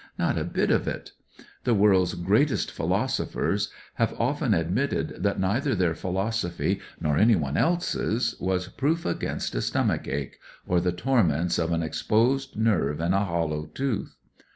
Not a_bit of it. The world's greatest philo WHAT EVERY M.O. KNOWS 205 sophers have often admitted that neither their philosophy nor anyone else's was proof against a stomach ache or the tor ments of an exposed nerve in a hollow tooth.